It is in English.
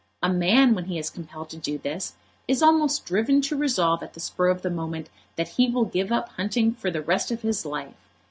A man, when he is compelled to do this, is almost driven to resolve at the spur of the moment that he will give up hunting for the rest of his life.